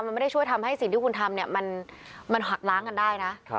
มันไม่ได้ช่วยทำให้สิ่งที่คุณทำเนี่ยมันหักล้างกันได้นะ